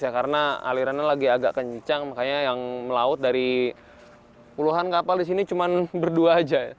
karena alirannya lagi agak kencang makanya yang melaut dari puluhan kapal di sini cuma berdua aja